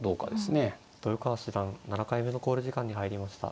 豊川七段７回目の考慮時間に入りました。